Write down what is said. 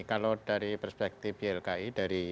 kalau dari perspektif ylki